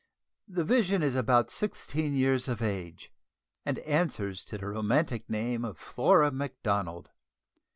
The vision is about sixteen years of age, and answers to the romantic name of Flora Macdonald.